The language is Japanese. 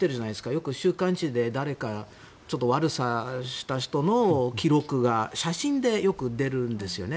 よく週刊誌で誰かちょっと悪さした人の記録が写真でよく出るんですよね。